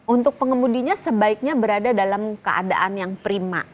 untuk pengemudinya sebaiknya berada dalam keadaan yang prima